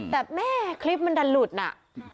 แต่แม่คลิปมันดันหลุดน่ะ